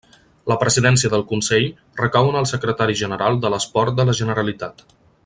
La presidència del Consell recau en el secretari general de l'esport de la Generalitat.